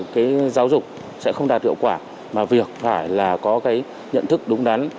cái giáo dục sẽ không đạt hiệu quả mà việc phải là có cái nhận thức đúng đắn